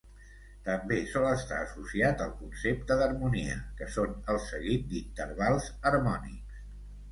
També, sol estar associat al concepte d'harmonia, que són el seguit d'intervals harmònics.